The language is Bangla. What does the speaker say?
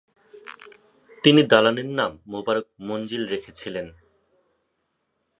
তিনি দালানের নাম মোবারক মঞ্জিল রেখেছিলেন।